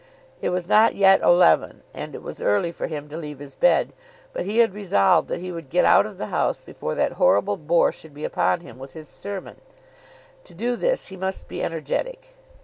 It was not yet eleven, and it was early for him to leave his bed; but he had resolved that he would get out of the house before that horrible bore should be upon him with his sermon. To do this he must be energetic.